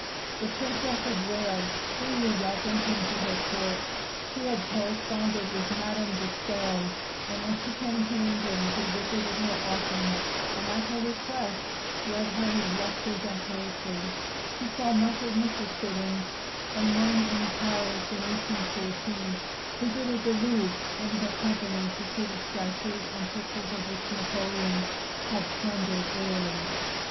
The Princess of Wales freely welcomed him to her court; he had corresponded with Madame de Staël, and when she came to England he visited her often and at her request read her his lectures on poetry; he saw much of Mrs. Siddons, and when in Paris in 1814, visited the Louvre in her company to see the statues and pictures of which Napoleon had plundered Italy.